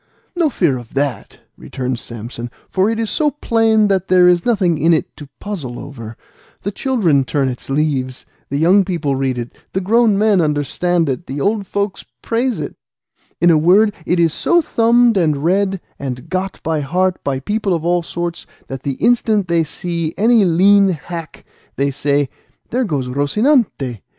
"No fear of that," returned Samson, "for it is so plain that there is nothing in it to puzzle over; the children turn its leaves, the young people read it, the grown men understand it, the old folk praise it; in a word, it is so thumbed, and read, and got by heart by people of all sorts, that the instant they see any lean hack, they say, 'There goes Rocinante.